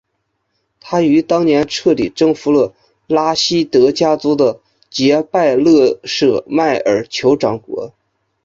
他于当年彻底征服了拉希德家族的杰拜勒舍迈尔酋长国。